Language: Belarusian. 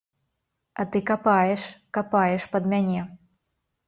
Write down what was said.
А ты капаеш, капаеш пад мяне!